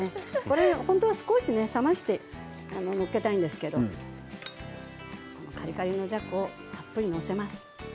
少し冷ませて載っけたいんですけどカリカリのじゃこを載せます。